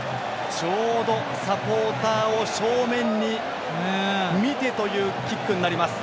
ちょうど、サポーターを正面に見てというキック。